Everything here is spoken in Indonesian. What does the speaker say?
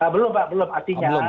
belum pak belum artinya